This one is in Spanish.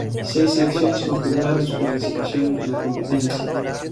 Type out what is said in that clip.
Seis selecciones confirmaron su participación en la competencia.